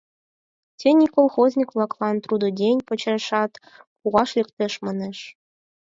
Тений колхозник-влаклан трудодень почешат пуаш лектеш, манеш.